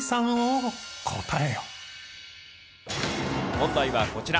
問題はこちら。